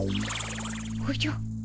おじゃ。